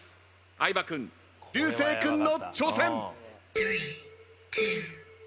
相葉君流星君の挑戦。